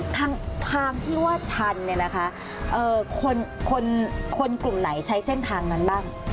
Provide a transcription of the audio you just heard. ทางที่ว่าฉันคนกลุ่มไหนใช้เส้นทางนั้นบ้าง